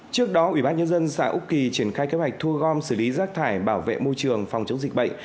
trước đó ủy ban nhân dân xã úc kỳ triển khai kế hoạch thu gom xử lý rác thải bảo vệ môi trường phòng chống dịch bệnh